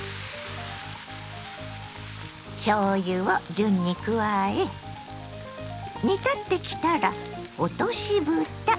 順に加え煮立ってきたら落としぶた。